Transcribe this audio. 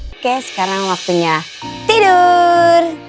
oke sekarang waktunya tidur